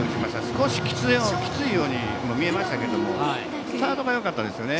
少しきついようにも見えましたけどもスタートがよかったですよね。